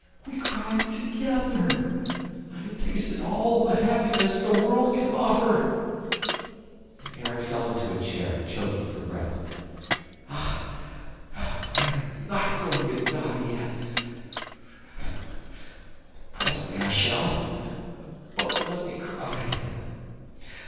We cried together! I have tasted all the happiness the world can offer!" And Erik fell into a chair, choking for breath: "Ah, I am not going to die yet ... presently I shall ... but let me cry!